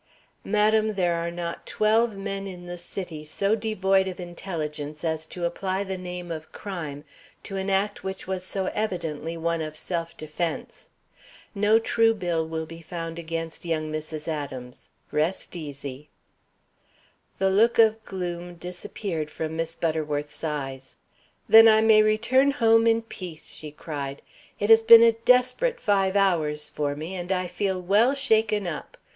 "Madam, there are not twelve men in the city so devoid of intelligence as to apply the name of crime to an act which was so evidently one of self defence. No true bill will be found against young Mrs. Adams. Rest easy." The look of gloom disappeared from Miss Butterworth's eyes. "Then I may return home in peace," she cried. "It has been a desperate five hours for me, and I feel well shaken up.